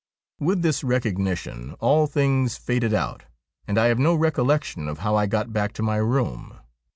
With this recognition all things faded out, and I have no recollection of how 1 got back to my room.